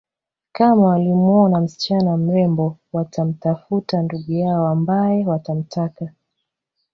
Kama walimwona msichana mrembo watamtafuta ndugu yao ambaye watamtaka